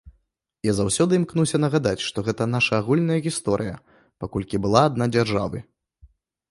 Я заўсёды імкнуся нагадаць, што гэта наша агульная гісторыя, паколькі была адна дзяржавы.